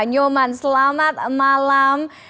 nyoman selamat malam